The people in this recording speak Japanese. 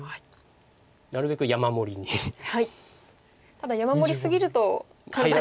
ただ山盛り過ぎると簡単に荒らされて。